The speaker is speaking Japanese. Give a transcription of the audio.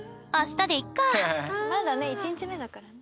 まだね１日目だから。